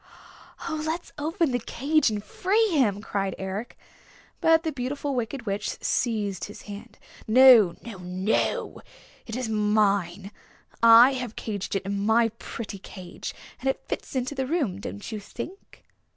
"Oh, let's open the cage and free him," cried Eric. But the Beautiful Wicked Witch seized his hand. "No, no, no! It is mine. I have caged it in my pretty cage. And it fits into the room, don't you think?"